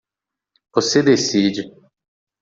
Você decide.